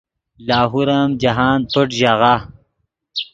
لاہور ام جاہند پݯ ژاغہ